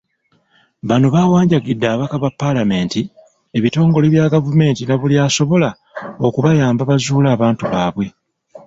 Bano bawanjagidde ababaka ba paalamenti, ebitongole bya gavumenti na buli asobola okubayamba bazuule abantu baabwe.